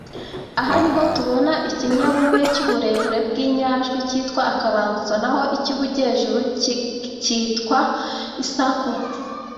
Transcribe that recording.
Aha niho tubona ikinyabumwe cy’uburebure bw’inyajwi cyitwa Akabangutso naho icy’ubujyejyejuru kicyitwa Isakû.